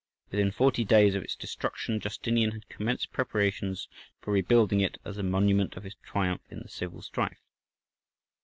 Within forty days of its destruction Justinian had commenced preparations for rebuilding it as a monument of his triumph in the civil strife.